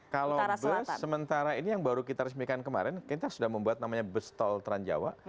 kalau bus sementara ini yang baru kita resmikan kemarin kita sudah membuat namanya bus tol transjawa